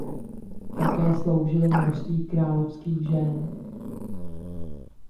Také sloužil množství královských žen.